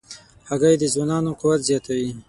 هګۍ د ځوانانو قوت زیاتوي.